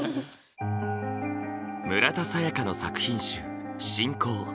村田沙耶香の作品集「信仰」。